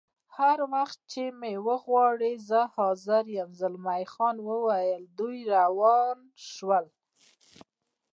هر وخت چې مې وغواړې زه حاضر یم، زلمی خان وویل: دوی روان شول.